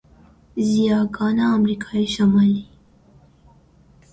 زیاگان امریکای شمالی